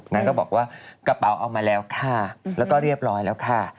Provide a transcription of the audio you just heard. นางก็บอกว่ากระเป๋าเอามาแล้วค่ะแล้วก็เรียบร้อยแล้วค่ะ